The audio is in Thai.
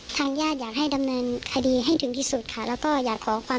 ทางญาติไม่อยากให้มีการประกันตัวออกมา